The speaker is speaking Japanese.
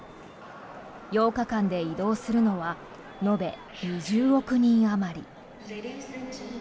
８日間で移動するのは延べ２０億人あまり。